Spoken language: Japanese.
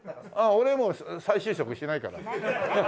俺もう再就職しないから。